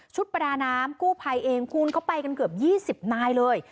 ประดาน้ำกู้ภัยเองคูณเข้าไปกันเกือบ๒๐นายเลย